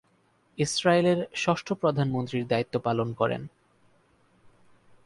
ইসরায়েলের ষষ্ঠ প্রধানমন্ত্রীর দায়িত্ব পালন করেন।